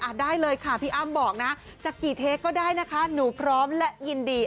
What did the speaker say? ได้เลยค่ะพี่อ้ำบอกนะจะกี่เทคก็ได้นะคะหนูพร้อมและยินดี